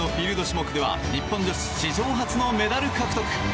種目では日本女子史上初のメダル獲得。